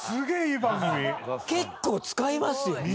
結構使いますよ。